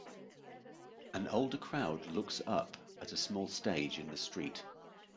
An older crowd looks up at a small stage in the street.